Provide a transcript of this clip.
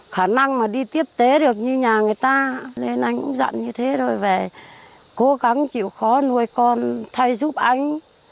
khả năng mà đi tiếp tế được như nhà người ta nên anh cũng dặn như thế rồi về cố gắng chịu khó nuôi con thay giúp anh